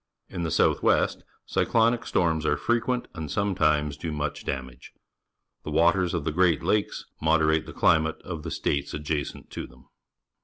In the south west cyclonic storms are frequ ent and sometimes do much dafnageT The waters of the Great Lakes moderate the climate of the states adjacent to them.